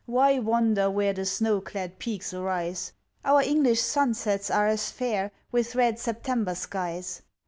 Why wander where The snow clad peaks arise? Our English sunsets are as fair, With red September skies.